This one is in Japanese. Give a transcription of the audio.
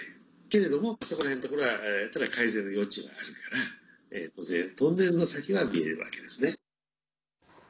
けれども、そこら辺のところはただ改善の余地はあるから当然、トンネルの先は見えるわけですね。